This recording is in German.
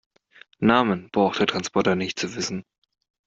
Namen braucht der Transporter nicht zu wissen.